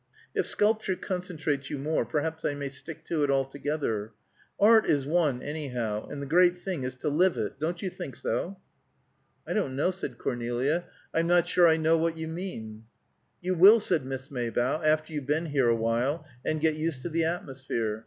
If sculpture concentrates you more, perhaps I may stick to it altogether. Art is one, anyhow, and the great thing is to live it. Don't you think so?" "I don't know," said Cornelia. "I'm not certain I know what you mean." "You will," said Miss Maybough, "after you've been here awhile, and get used to the atmosphere.